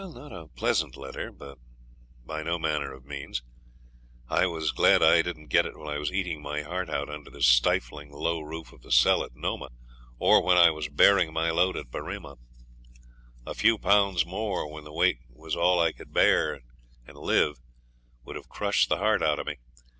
Not a pleasant letter, by no manner of means. I was glad I didn't get it while I was eating my heart out under the stifling low roof of the cell at Nomah, or when I was bearing my load at Berrima. A few pounds more when the weight was all I could bear and live would have crushed the heart out of me.